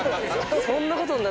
そんなことになっ